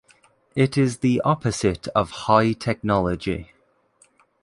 It is the opposite of high technology.